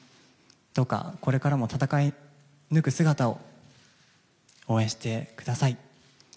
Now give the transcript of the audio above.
どうかこれからも闘い抜く姿を応援してください。